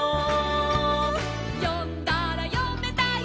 「よんだらよめたよ」